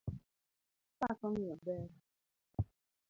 Apako ng'iyo ber.